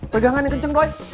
pegangan yang kenceng doi